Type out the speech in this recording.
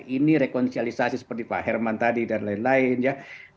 ini rekonsialisasi seperti pak herman tadi dan lain lain ya